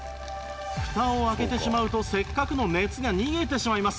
蓋を開けてしまうとせっかくの熱が逃げてしまいます